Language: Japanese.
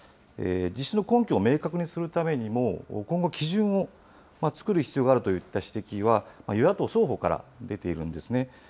実施の根拠を明確にするためにも、今後、基準を作る必要があるといった指摘は与野党双方から出ているんですね。